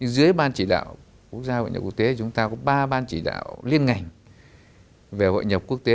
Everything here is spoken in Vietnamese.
dưới ban chỉ đạo quốc gia hội nhập quốc tế chúng ta có ba ban chỉ đạo liên ngành về hội nhập quốc tế